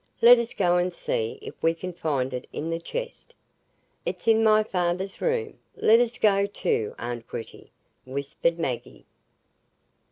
Let us go and see if we can find it in the chest." "It's in my father's room. Let us go too, aunt Gritty," whispered Maggie.